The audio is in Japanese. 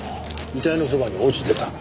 遺体のそばに落ちてた。